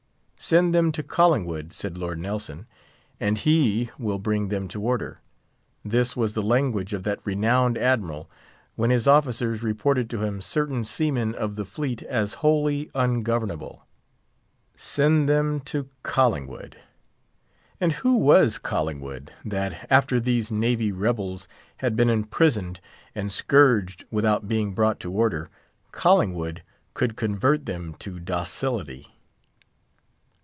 "Send them to Collingwood," said Lord Nelson, "and he will bring them to order." This was the language of that renowned Admiral, when his officers reported to him certain seamen of the fleet as wholly ungovernable. "Send them to Collingwood." And who was Collingwood, that, after these navy rebels had been imprisoned and scourged without being brought to order, Collingwood could convert them to docility?